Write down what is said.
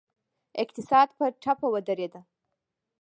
اقتصاد په ټپه ودرید.